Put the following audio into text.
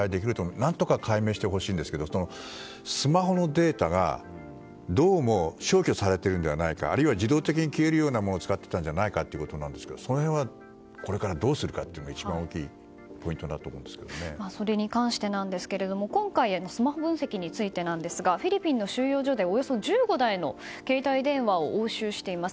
何とか解明してほしいんですけどスマホのデータが、どうも消去されているのではないかあるいは自動的に消えるようなものを使っていたのではないかということですがその辺をこれからどうするかが一番大きいそれに関してですが今回スマホ分析についてですがフィリピンの収容所でおよそ１５台の携帯電話を押収しています。